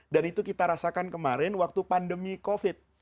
dan itu kita rasakan kemarin waktu pandemi covid